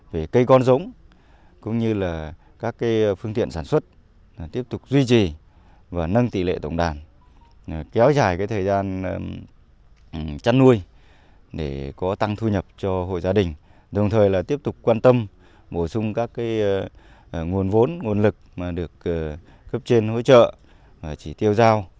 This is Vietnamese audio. bổ sung các nguồn vốn nguồn lực mà được cấp trên hỗ trợ chỉ tiêu giao